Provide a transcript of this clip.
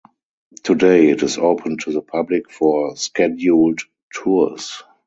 Today it is open to the public for scheduled tours.